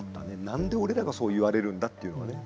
何で俺らがそう言われるんだっていうのはね。